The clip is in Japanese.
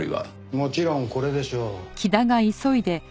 もちろんこれでしょう。